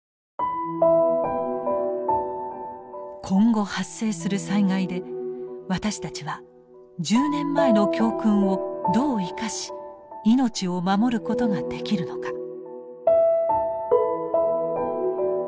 今後発生する災害で私たちは１０年前の教訓をどう生かし命を守ることができるのか。